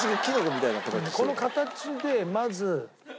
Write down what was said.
この形でまず。